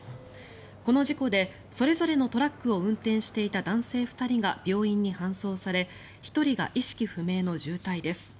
この事故でそれぞれのトラックを運転していた男性２人が病院に搬送され１人が意識不明の重体です。